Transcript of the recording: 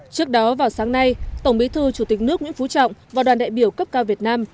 trước đó vào sáng nay tổng bí thư chủ tịch nước nguyễn phú trọng và đoàn đại biểu cấp cao việt nam